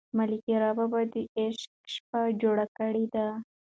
ملکیار بابا د عشق شپه جوړه کړې ده.